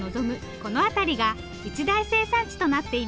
この辺りが一大生産地となっています。